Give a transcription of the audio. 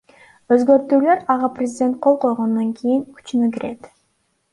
Өзгөртүүлөр ага президент кол койгондон кийин күчүнө кирет.